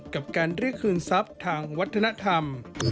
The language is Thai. กับการเรียกคืนทรัพย์ทางวัฒนธรรม